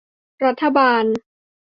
รัฐบาล